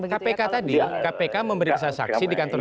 kpk tadi kpk memeriksa saksi di kantor